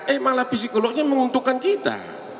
eh malah psikolognya menguntungkan kita